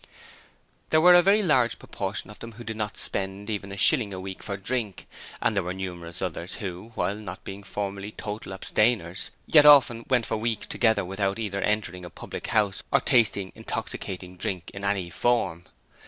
There were a very large proportion of them who did not spend even a shilling a week for drink: and there were numerous others who, while not being formally total abstainers, yet often went for weeks together without either entering a public house or tasting intoxicating drink in any form.